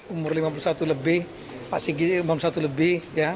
umur lima puluh satu lebih pak sigi lima puluh satu lebih